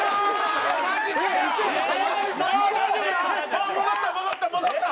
ああ戻った戻った戻った！